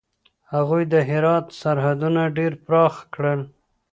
هغوی د هرات سرحدونه ډېر پراخه کړل.